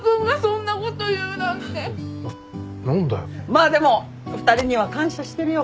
まあでも２人には感謝してるよ